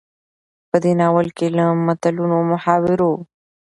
په دې ناول کې له متلونو، محاورو،